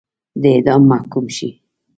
د اعدام محکوم شي.